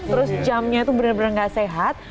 terus jamnya tuh bener bener gak sehat